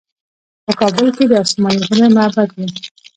په کابل کې د اسمايي غره معبد و